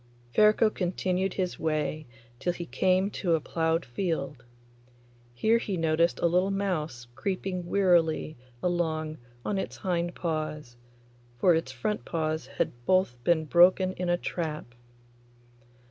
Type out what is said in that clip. Ferko continued his way till he came to a ploughed field. Here he noticed a little mouse creeping wearily along on its hind paws, for its front paws had both been broken in a trap.